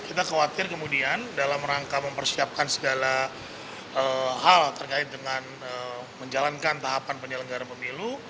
kita khawatir kemudian dalam rangka mempersiapkan segala hal terkait dengan menjalankan tahapan penyelenggara pemilu